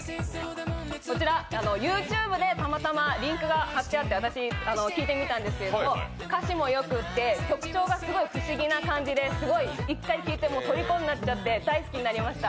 こちらＹｏｕＴｕｂｅでたまたまリンクが貼ってあって私、聴いてみたんですけど歌詞もよくって曲調がすごい不思議な感じで１回聴いて、とりこになっちゃって大好きになりました。